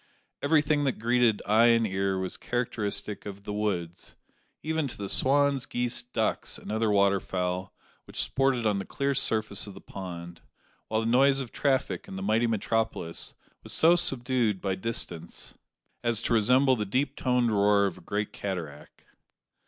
Everything that greeted eye and ear was characteristic of "the woods," even to the swans, geese, ducks, and other water fowl which sported on the clear surface of the pond; while the noise of traffic in the mighty metropolis was so subdued by distance as to resemble the deep toned roar of a great cataract.